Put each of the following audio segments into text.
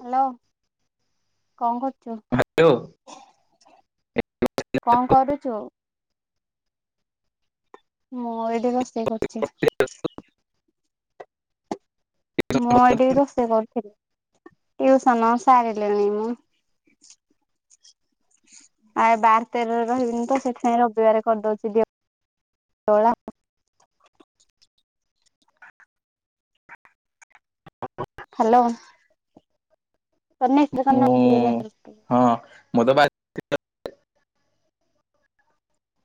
Hello କଣ କରୁଛୁ hello କଣ କରୁଛୁ ମୁଁ ଏଇଠି ରୋଷେଇ କରୁଛି। ମୁଁ ଏଇଠିକି ରୋଷେଇ କରୁଥିଲି। ଟଉସନ ସାରି ଲେଣି ମୁ ଆ ବାର ତେରରେ ରହିବିନି ତ ସେଥିାଇଁ ରବିବାର କରିଦଉଛି ଦେଓ ଦେଓଳା ହ୍ୟାଲୋ ସେଇ ସେ ଏଇି ହଁ ମୋ ବାଇ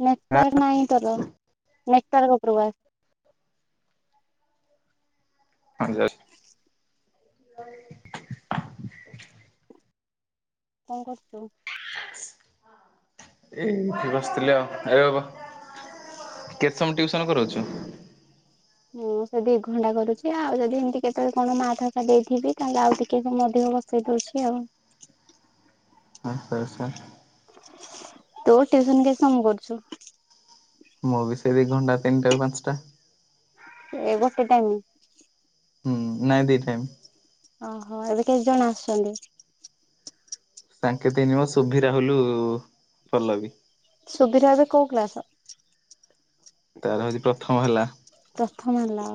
ନେକ୍ଟ ତାରଖ ନହିଁ ତର ନେକ୍ଟ ତାରିଖ ଉପବାସ ହଜାର ହ କଣ କରୁଛୁ। ଏଇଠିକ ବସିଥିଲି ଆଉ ଏରେ ବା କେତେ ସମୟ ଟିଉସନ କରାଉଛୁ। ହଁ ସେ ଦିଇ ଘଣ୍ଟା କରୁଛି ଆଉ ଯଦି ଏମିତି କେତେବେଳେ କଣ ମା ସା ଦେଇଥିବି ତାହେଲେ ଆଉ ଟିକେ ସେଇଠ ଅଛି ଆଉ ହ ସାର୍ ସାର୍ ତୁ ଟଉସନ କିଛି ସମୟ କରୁଛୁ। ମୁଁ ବି ସେଇ ଦି ଘଣ୍ଟା ତିନିଟାରୁ ପାଞ୍ଚଟା ଏ ଗୋଟେ ଟାଇମ ହୁଁ ନାଇଁ ଦି ଟାଇମ୍ ଓହୋ ଏବେ କେତେ ଜଣ ଆସୁଛନ୍ତି। ସାଙ୍କେ ନିିବ ଶୁଭି ରହଲୁ ଭଲ ବି ସୁବିଧାବେ କଉ କ୍ଲାସ? ତାର ହଉଛି ପ୍ରଥମ ହେଲା। ପ୍ରଥମ ହେଲା।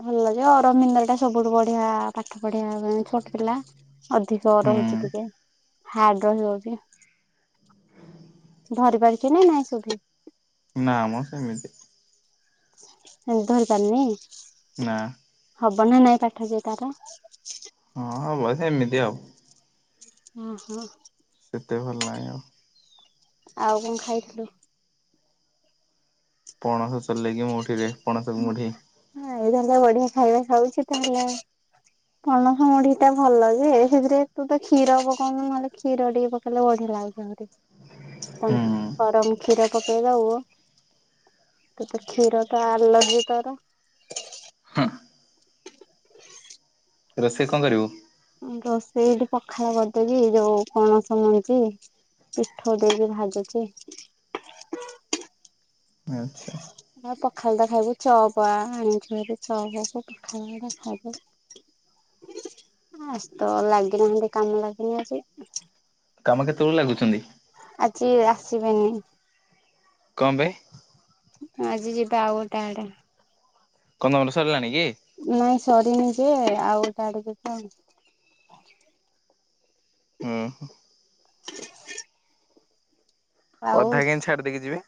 ଭଲ ଯେ ଅରବିନ୍ଦ୍ର ଟା ସବୁଠୁ ବଢିଆ ପାଠ ପଢିବା ଛୋଟ ପିଲା ଅଧିକ ହୁଁ ରହୁଛି ଟିକେ ହାର୍ଡ ରହିଯାଉଛି। ଧରିିପରିଚିନା କି ନାଇଁ ସୁବି ନା ମ ସେମିତି। ଧରି ପାରୁନି ନା। ହବ ନା ନାଇଁ ପାଠ ଯଏ ତାର। ହଁ ହବ ସେମିତି ଆଉ। ହଁ ହଁ ସେତେ ଭଲ ନାହିଁ ଆଉ। ଆଉ କଣ ଖାଇଥିଲୁ। [unintelligible] ହଁ ଏଇଥର ତାହେଲେ ବଢିଆ ଖାଇବା ଖାଉଛି ତାହେଲେ। ପଣସ ମୁଢି ଟା ଭଲ ଲାଗେ ଯେ ସେଥିରେ ତୁ ତ କ୍ଷୀର ପକାଉନୁ ନହେଲେ କ୍ଷୀର ଟିକେ ପକେଇଲେ ବଢିଆ ଲାଗିବ। [inaudible] ଗରମ କ୍ଷୀର ପକେଇ ଦବୁ। ତତେ କ୍ଷୀର ତ ଆଲର୍ଜି ତାର। [inaudible] [unintelligible] ରୋଷେଇଠି ପଖାଳ କରିଦେଛି ଯୋଉ ପନସ ମଞ୍ଜି ପିଷ୍ଠ ଦେବି ଭାଜୁଛି। ଆଚ୍ଛା ପଖାଳ ଦେ ଖାଇବୁ ଚପ ଆଣିଛୁ ଚବବୁ ପଖାଳ ଖାଇବୁ। ଆ ତ ଲାଗିନାହାନ୍ତି କାମ ଲାଗିନି ଆଜି। କାମ କେତେବେଳେ ଲାଗୁଛନ୍ତି? ଆଜି ଆସିବେନି। କମ୍ବେ। ଆଜି ଯିବା ଆଉ ଗୋଟେ ଆଡେ। [unintelligible] ସରିଲାଣି କି ନାଇଁ ସରିନି ଯେ ଆଉଟାଡିକ କଣ। ହଁ ହ। ଆଉ। ଅଧା କେମୀତି ଛାଡ଼ି ଦେଇକି ଯିବେ।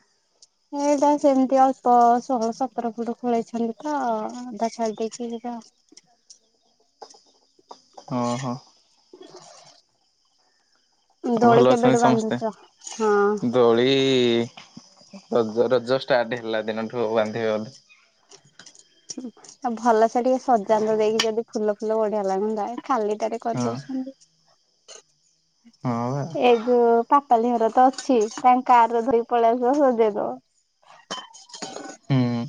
ଏଇଟା ସେମିତି ଅଳ୍ପ ଷୋହଳ ସତର ଫୁଟ ଖୋଳେଇଛନ୍ତି ତ ଅଧା [inaudible] ହଁ ହୋ। [inaudible] ଭଲ ଦୋଳି ଅଛନ୍ତି କେବେଠୁ ସମସ୍ତେ? ବାନ୍ଧୁଛ? ଦୋଳି ରଜ ରଜ ଷ୍ଟାର୍ଟ ହେଲା ଦିନଠୁ ବାନ୍ଧିବା ଆଉ ଭଲସେ ଟିକେ ସଜାନ୍ତ ଦେଇକି ଯଦି ଫୁଲ ଫୁଲ ବଢିଆ ଲାଗନ୍ତା ଖାଲି ଟାରେ। କରି ହଁ ଦଉଛନ୍ତି ହଁ ବା ଏଵେ ପା ପାପାଲି ଘର ତ ଅଛି ତାଙ୍କ କାର୍ ଧରୀ ପଳେଇଆସି ଦେଇଦବା। ହୁଁ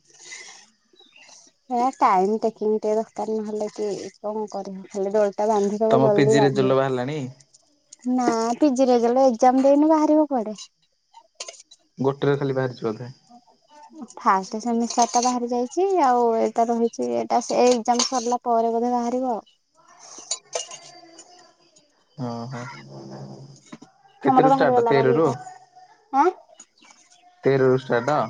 [inaudible] ହେ ଟାଇମ୍ ଟେକିଂ ଟିକେ ଦରକାର ନହେଲେ କି କଣ କରିବ ଖାଲି ଦ। ଟା ବାନ୍ଧିଦବ ତମ ପିଜି ଜଲଦି ରେଜଲ୍ଟ ବାନ୍ଧ। ବାହାରିଲାଣି? ନା ପିଜି ରେଜଲ ଏକଜାମ ଦେଇନି ବାହାରିବ କୋଆଡେ। ଗୋଟେରେ ଖାଲି ବାହାରିଛି ବୋଧେ। [inaudible] ଫାଷ୍ଟ ସେମିଷ୍ଟର ଟା ବାହାରି ଯାଇଛି ଆଉ ଏଇଟା ରହିଛି ଏଇଟା ସେ ଏକଜାମ ସରିଲା ପରେ ବୋଧେ ବାହାରିବ ଆଉ। ହଁ ହଁ ତମର କେତେ ର ଷ୍ଟାର୍ଟ ବାହାରିଗଲା ବା ତେରରୁ? ଦିଟା ଆଁ ତେରରୁ ଷ୍ଟାର୍ଟ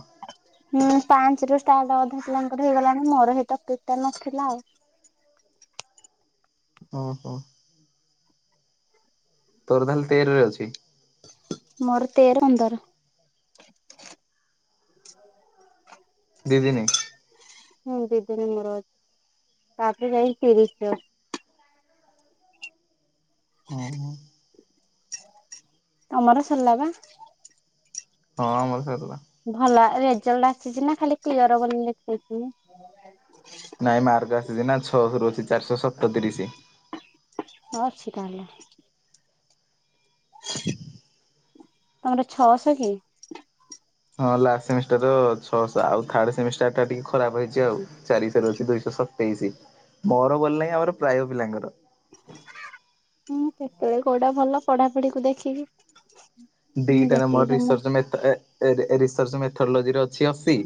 ହୁଁ ପାଞ୍ଚ ରୁ ଷ୍ଟାର୍ଟ ଅଧା ପିଲାଙ୍କର ହେଇଗଲାଣି ମୋର ହେଇ ଟପିକ ଟା ନଥିଲା ଆଉ। ଓଁ ହୋ। ତୋର ତାହେଲେ ତେରରେ ଅଛି। ମୋର ତେର ପନ୍ଦର। [inaudible] ଦିଦିିନି। ହୁଁ ଦି ଦନି ମୋର ତାପରେ ଯାଇ ତିରିଶ ରେ ଅ, ହଁ। ଅମର ସୋଲା ବା। ହଁ ଆମର ସରିଲା। ଭଲ ରେଜଲଟ ଆସିଛି ନା ଖାଲି କ୍ଲିୟର ବୋଲି ଲଖେଇଛି ମୁ। ନାଇଁ ମାର୍କ ଆସିଛି ନା ଛଅଶରୁ ଅଛି ଚାରିଶହ ସତତିରିଶ। ହଁ ଅଛି ତାହେଲେ। [inaudible] ତମର ଛଅଶହ କି? ହଁ ଲାଷ୍ଟ ସେମିଷ୍ଟାର ର ଛଅଶହ ଆଉ ଥଡ ସେମିଷ୍ଟାର ଟା ଟିକେ ଖରାପ ହେଇଛି ଆଉ ଚାରିଶହରୁ ଅଛି ଦୁଇଶହ ତେଇଶି ମୋର ଗଲ ନାହିଁ ଆମର ପ୍ରାୟ ପିଲାଙ୍କର। ହୁଁ ସେତେବେଳେ କୋଉଟା ଭଲ ପଢାପଢିକୁୁ ଦେଖିକି। ହୁଁ ଦିଟାରେ ଯେତିକି ମୋର ଜମା ରିସର୍ଚ୍ଚ ମେଥ ରିସର୍ଚ୍ଚ ମେଥଲୋଜି ର। ସେ ଅଶୀ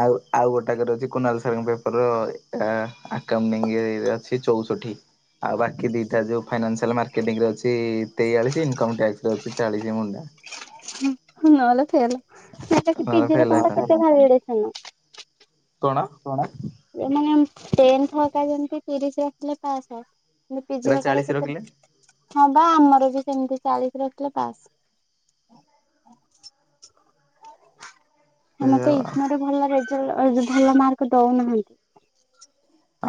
ଆଉ। ଆଉ ଗୋଟାକରେ ଅଛି କୁନାଲ ସାରଙ୍କ ପେପର ଆଁ ଆକାଣଟିଙ୍ଗ ଅଛି ଚଉଷଠି। ଆଉ ବାକି ଦିଟା ଯୋଉ ଫାଇନାସିଆଲ ମାର୍କେଟିଂ ରେ ଅଛି ତେୟାଳିଶ ଇନକମ ଟକ୍ସ। ଚାଳିଶ ମୁଣ୍ଡା। ହ ନହେଲେ ଫେଲ୍ ନହେଲେ ପିଜିରେ ଫେଲ ତମ ହେଇଥାନ୍ତି। କେତେ ବଳିଡେସନ। କଣ। କଣ [unintelligible] ପିଝି ହକାରେ ଏଇଟା ଚାଳିଶ ରଖିଲେ କେତେ ହଁ ବା ଆମର ବି ସେମିତି ଚାଳିଶ ରଥିଲେ ପାସ୍। ଆମତ ଏଇଗନୋ ଭଲ ରେଜଲ୍ଟ ଭଲ ମାର୍କ ଦଉନାହାନ୍ତି।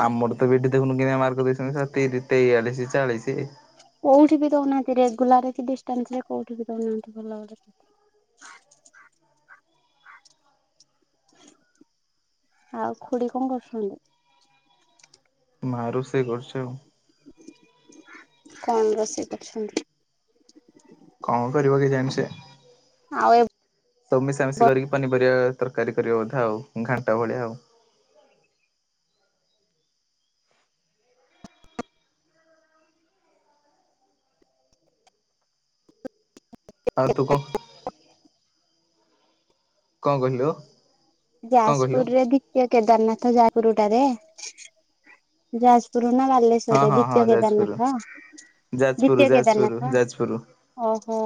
ଆମର ତ ବିଠି ଦେଖୁନୁ କି ମାର୍କ ଦେଇଛନ୍ତିତି ତେୟାଳିଶି ଚାଳିଶ। କୋଉଠି ବି ଦଉନାହାନ୍ତି ରେଗୁଲାର କି ଡିଷ୍ଟାନସ ରେ କୋଉଠି ବି ଦଉନାହାନ୍ତି ଭଲ ଭ। ଆଉ ଖୁଡି କଣ କରୁଛନ୍ତି। ମାରୁ ସେଇ। [unintelligible] କଣ ରଷେଇ କରଛନ୍ତି? କଣ କରିବ କେଜାଣି ସେ। ଆଉ ଏ ସବୁ ମିଶାମିଶି କରିକି ପନିପରିବା ତରକାରୀ କରିବା ବୋଧେ ଆଉ ଘାଣ୍ଟା ଭଳିଆ ଆଉ। ଆଉ ତୁ କଣ [inaudible] କଣ କହିଲୁ। କଣ କହିଲୁ ଯାଜପୁର ରେ ବି କେଦାରନାଥ ଯାଜପୁର ଟାରେ ଯାଜପୁର ନା ହଁ ବାଲେଶ୍ୱର। ରେ ହଁ ହଁ ଦ୍ୱିତୀୟ ଯାଜପୁର। କେଦାନନାଥ ଯାଜପୁର ଦ୍ୱିତୀୟ ଯାଜପୁର କେଦାନଥ। ଯାଜପୁର ଓହୋ।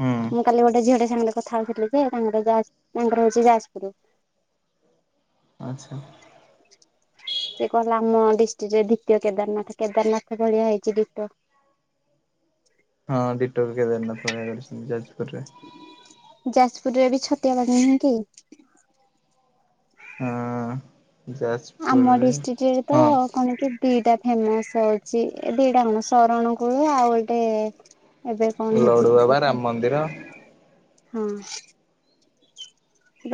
ହୁଁ ମୁଁ କାଲି ଗୋଟେ ଝିଅଟେ ସାଙ୍ଗରେ କଥା ହଉଥିଲି ଯେ ତାଙ୍କର ଯା ତାଙ୍କର ହଉଛି ଯାଜପୁର। ଆଚ୍ଛା। ସେ କହିଲ ଆମ ଡିଷ୍ଟ୍ରିକ୍ଟରେ ଦ୍ୱିତୀୟ କେଦାରନାଥ କେଦାରନାଥ ଭଳିଆ ହେଇଛି ଡିଟୋ। [inaudible] ହଁ ଡିଟୋ ବି କେଦାରନାଥ ଭଳିଆ କରିଛନ୍ତି ଯାଜପୁର ରେ। ଯାଜପୁରରେ ଏ ବି ଛତିଆ ବାଗ ନାଁ କି। ହଁ। ଯାଜ ଆମ ଡିଷ୍ଟ୍ରିକଟ ରେ ତ କଣ କି ଦିଟା ଫେମସ ହଉଛି ଏ ଦିଟା କଣ ଶରଣ କୂଳ ଆଉ ଗୋଟେ। ଏବେ କଣ ହେଇଛି କି ଲଡୁବାବା ସେଟା ରାମ ମନ୍ଦିର ହଁ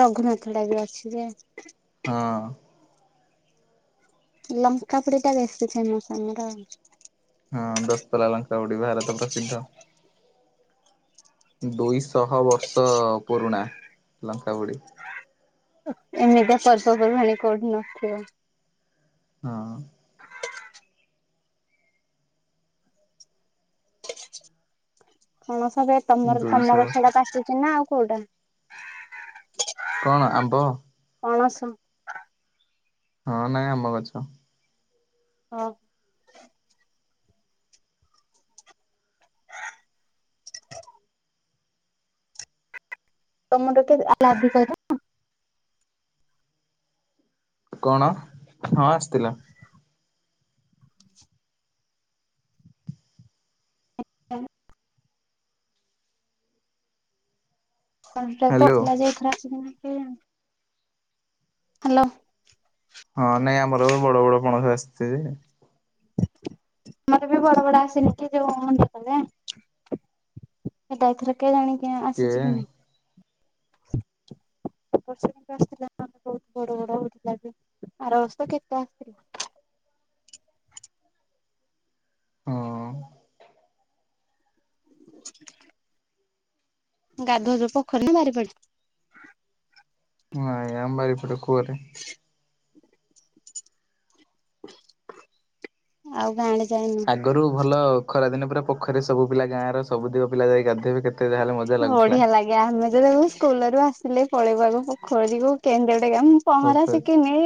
ରଘୁନାଥ ଟା ବି ଅଛି ଯେ ହଁ। ଲଙ୍କା ପୁଡି ଟା ବେଶୀ ଫେମସ ଆମର। ହଁ ଦସ୍ତଲା ଲଙ୍କଉଡ଼ି ଭାରତ ପ୍ରସିଦ୍ଧ। ଦୁଇଶହ ବର୍ଷ ପୁରୁଣା ଲଙ୍କା ପୁଡି। ଏମିତି ପର୍ବପର୍ବାଣି କଉଠି ନଥିବ। ହଁ। କଣ ସ ଏ ତମର ଦୁଇଶହ ତମର ବର୍ଷ ଛୁଆଟାକୁ ଆସୁଛି ନା ଆଉ କୋଉଟା? କଣ ଆମ୍ବ? ପଣସ। ହଁ ନାଇଁ ଆମ ଗଛ। ହଁ। ତମର କେତେ ଆଧିକ ଏଇଟା। କଣ ହଁ ଆସିଥିଲା। [unintelligible] କଣ୍ଟ୍ରାକ୍ଟ ହ୍ୟାଲୋ ଆସିଲା ଯେ ଏଥର ଆସିନାହାନ୍ତି ଆଉ। ହ୍ୟାଲୋ। ହଁ ନାଇଁ ଆମର ବି ବଡ ବଡ ପଣସ ଆସି ଯେ ଆମର ବି ବଡ ବଡ ଆସିଲି କି ଯୋଉ [unintelligible] ଏଟା ଏଥର କେୟାଣି ଆସିଛି କି କେଜାଣି ନାଇଁ? ବର୍ଷ କୁ ବି ଆସିଥିଲା ନାମେ ବହୁତ ବଡ ବଡ ହଉଥିଲା ଆର ବର୍ଷ କେତେ ଆସିଥିଲ। ହଁ। ଗାଧଉଚ ପୋଖରୀ ନା ବାରିପଡେ? ହଁ ଆମ ଏପଟେ କୁଅରେ। ଆଉ ଗାଁ ଆଡେ ଯାଇନ? ଆଗରୁ ଭଲ ଖରାଦିନ ପୁର ପୋଖରୀ ରେ ସବୁିପିଲା ଗାଁ ର ସବୁ ଟିକ ପିଲା ଯାଇକ ଗାଧୋଇବେ କେତେ ଯାହାହେଲେ ମଜା ଲାଗୁଥିଲା। ବଢିଆ ଲାଗେ ଆମେ ତ ସବୁ ସ୍କୁଲୁ ଆସିଲେ ପଳେଇବାକୁ ପୋଖରୀକୁ [unintelligible] କାମ ପହଁରା ଶିଖିନି।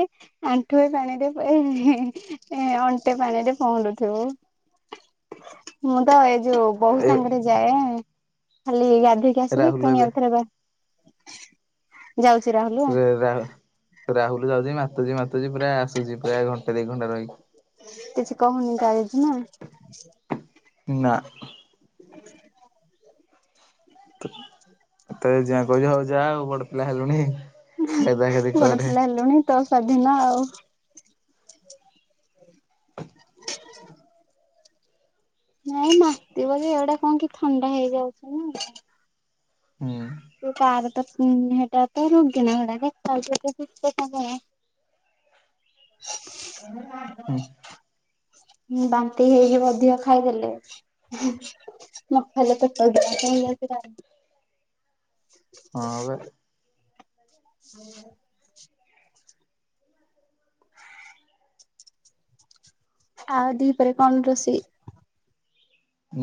ଆଣ୍ଠୁଏ ପାଣିରେ ଅଣ୍ଟେ ପାଣିରେ ପହଁରୁୁଥିବୁ। ମୁଁ ତ ଏଇ ଯୋଉ ବୋଉ ଏ ସାଙ୍ଗରେ ଯାଏ। ଖାଲି ଗାଧୋଇକି ଆସିବି ରାହୁଲ ପୁଣି ଏବେ ଆଉଥରେ ବା ଯାଉଛି ରାହୁଲ। ରେ ରାହୁ ରାହୁଲୁ ଯାଉଛି ମାତୁଛି ମାତୁଛି ପ୍ରାୟ ଆସୁଛି ପ୍ରାୟ ଘଣ୍ଟେ ଦି ଘଣ୍ଟା ରହିକି। କିଛି କହୁନି ତା ଜେଜେମା? ନା। ହୁଁ ତା ଜେଜେମା କହୁଛି ହଉ ଯା ଆଉ ବଡ ପିଲା ହେଲୁଣି ଗାଧା ଗାଧି କରେ। ତ ସ୍ୱାଧୀନ ଆଉ ହ ନାଇଁ ମାତିିବ ଏଗୁଡ଼ାକ କଣ କି ଥଣ୍ଡା ହେଇଯାଉଛି ନା ହୁଁ। ତୁ କାର ତ ହେଇଟା ତ ରୋଗୀନା ଗୁଡା ଦେଖା ଯାଉଛି ଗୋଟେ [unintelligible] ହୁଁ ଧ ହୁଁ ବାନ୍ତି ହେଇକି ବଧିକ ଖାଇଦେଲେ। ହୁଁ। ନ ଖାଇଲେ ପେଟ ଦରଜ ହେଇଯାଉଛି ରା ହ ହଁ ବା ହୁଁ ଆଉ ଦିହିପରେ କଣ ରୋଷେଇ?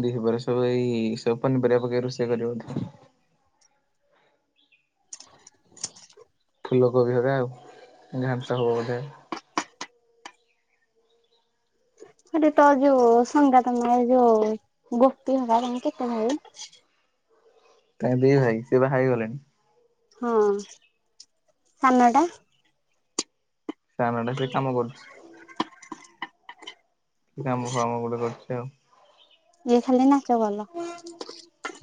ଦିହିପହରେ ସବୁ ଏଇ ସବୁ ପନିପରିବା ପକେଇକି ରୋଶେଇ କରିବ ବୋଧେ ଫୁଲକୋବି ହକା ଆଉ ଘାଣ୍ଟ ହବ ବୋଧେ? ଆରେ ତ ଯୁ ସଙ୍ଗାତ ମା ଯୋଉ ଗୋପୀ ହେକା ତାଙ୍କେ କେତେ ଭାଇ? ତଙ୍କେ ଦି ଭାଇ ସେ ବାହା ହେଇଗଲେଣି। ହଁ ସାନ ଟା? ସାନ ଟା ସେ କାମ କରୁଛି। କାମ ଫାମ ଗୋଟେ କରୁଛି ଆଉ। ଇଏ ଖାଲି ନାଚ କଲ୍।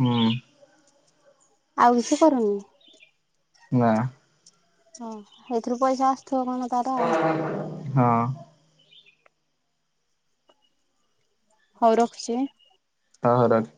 ହୁଁ। ଆଉ କିଛି କରୁନି? ନା। ହଁ ଏଥିରୁ ପଇସା ଆସୁଥିବ କଣ ତାର ଆଉ। ହଁ। ହଉ ରଖୁଛି। ହଁ ହଉ ରଖେ।